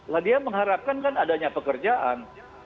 lah dia mengharapkan kan adanya pekerjaan